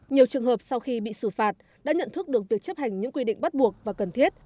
nhiều trường hợp sau khi bị xử phạt đã nhận thức được việc chấp hành những quy định bắt buộc và cần thiết